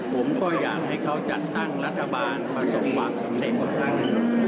ผมก็อยากให้เขาจัดตั้งรัฐบาลประสบความสำเร็จกับท่าน